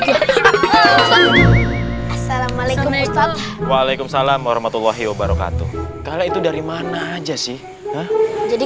assalamualaikum waalaikumsalam warahmatullahi wabarakatuh kala itu dari mana aja sih jadi